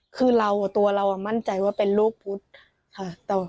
คือเราตัวเรามั่นใจว่าเป็นลูกพุทธค่ะ